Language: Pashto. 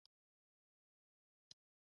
پاچا عدالت په نظر کې نه نيسي.